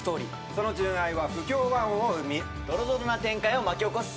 その純愛は不協和音を生みドロドロな展開を巻き起こす。